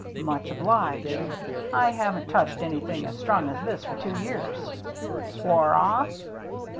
" Much obliged. I haven't touched anything as strong as this for two years." "Swore off?"